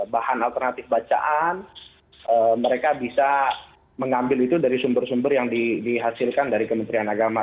bahan alternatif bacaan mereka bisa mengambil itu dari sumber sumber yang dihasilkan dari kementerian agama